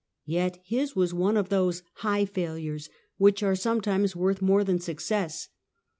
Yet his was one of those " high failures " which are sometimes worth more than success.